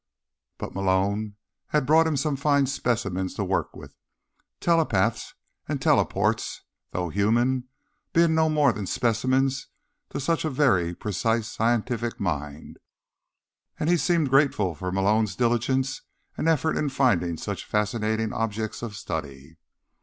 But Malone had brought him some fine specimens to work with—telepaths and teleports, though human, being no more than specimens to such a very precise scientific mind—and he seemed grateful for Malone's diligence and effort in finding such fascinating objects of study.